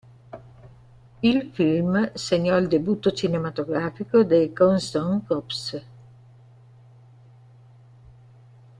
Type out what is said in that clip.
Il film segnò il debutto cinematografico dei Keystone Cops.